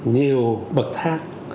nhiều bậc thang